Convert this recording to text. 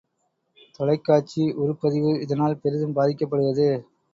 தொலைக்காட்சி உருப்பதிவு இதனால் பெரிதும் பாதிக்கப்படுவது.